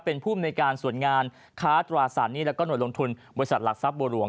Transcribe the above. เป็นผู้บริษัทส่วนงานค้าตราสันค์หน่วยลงทุนบริศัทธิ์หลักทรัพย์บวรวง